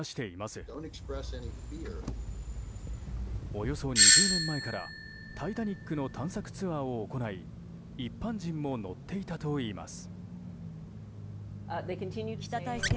およそ２０年前から「タイタニック」の探索ツアーを行い一般人も乗っていたといいます。